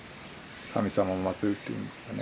神様をまつるっていうんですかね